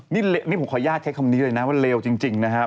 นี่ผมขออนุญาตใช้คำนี้เลยนะว่าเลวจริงนะครับ